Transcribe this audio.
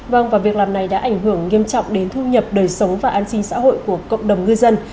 vâng và việc làm này đã ảnh hưởng nghiêm trọng đến thu nhập đời sống và an sinh xã hội của cộng đồng ngư dân